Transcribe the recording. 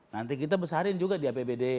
nanti kita besarin juga di apbd